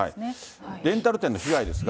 レンタル店の被害ですが。